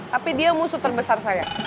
tapi dia musuh terbesar saya